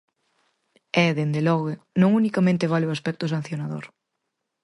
E, dende logo, non unicamente vale o aspecto sancionador.